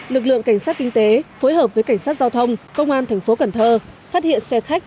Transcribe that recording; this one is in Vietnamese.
lực lượng cảnh sát kinh tế phối hợp với cảnh sát giao thông công an thành phố cần thơ phát hiện xe khách